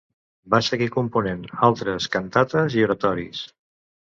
Va seguir component altres cantates i oratoris.